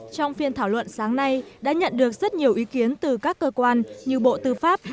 trong phiên thảo luận sáng nay đã nhận được rất nhiều ý kiến từ các cơ quan như bộ tư pháp